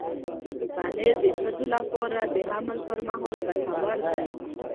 پنېر د ښځو لپاره د حمل پر مهال ګټور دی.